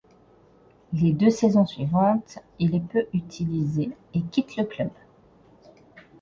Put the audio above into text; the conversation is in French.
Les deux saisons suivantes, il est peu utilisé et quitte le club.